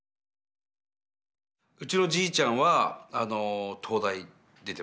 うちのじいちゃんは東大出てますね。